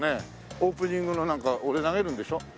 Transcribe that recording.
オープニングのなんか俺投げるんでしょ？